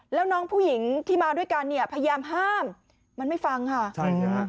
แล้วน้องผู้หญิงที่มาด้วยกันเนี่ยพยายามห้ามมันไม่ฟังค่ะใช่ค่ะ